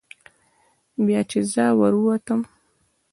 بیا چې زه ور ووتم.